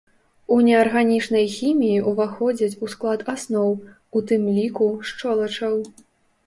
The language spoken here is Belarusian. У неарганічнай хіміі ўваходзяць у склад асноў, у тым ліку, шчолачаў.